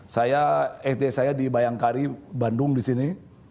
saya fd saya di bayangkari bandung disini